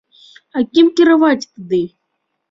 А кім кіраваць тады?